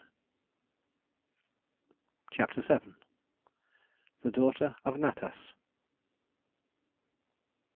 CHAPTER VII. THE DAUGHTER OF NATAS.